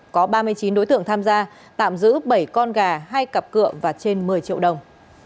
có ba mươi chín đối tượng tham gia tạm giữ bảy con gà hai cặp cựa và trên một mươi triệu đồng